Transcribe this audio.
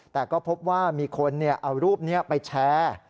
แต่ก็พบว่ามีคนเอารูปนี้ไปแชร์